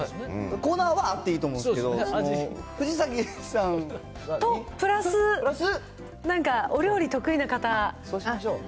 コーナーはあっていいと思うんですけど、藤崎さんは。と、プラス、そうしましょう。